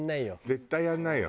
絶対やんないよ。